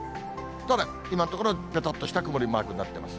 ただ、今のところ、べたっとした曇りマークになっています。